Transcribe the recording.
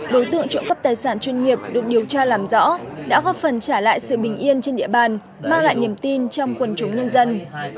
đối tượng trộm cắp tài sản chuyên nghiệp được điều tra làm rõ đã góp phần trả lại sự bình yên trên địa bàn mang lại niềm tin trong quần chúng nhân dân